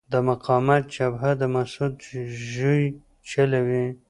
د مقاومت جبهه د مسعود ژوی چلوي.